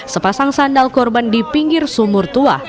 sepasang sandal korban di pinggir sumur tua